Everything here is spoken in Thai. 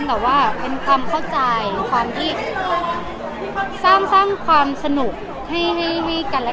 แล้วก็ไม่ดึงมันมากันไม่ดึงไม่ดึงค่ะ